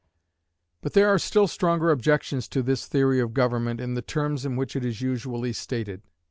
But there are still stronger objections to this theory of government in the terms in which it is usually stated.